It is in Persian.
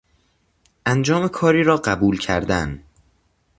انجام کاری را قبول کردن